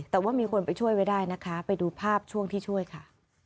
แต่ว่ามีคนไปช่วยไว้ได้นะคะไปดูภาพช่วงที่ช่วยค่ะ